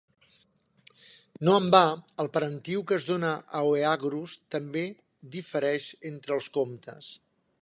No en va, el parentiu que es dona a Oeagrus també difereix entre els comptes.